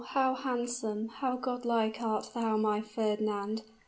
how handsome how god like art thou, my Fernand!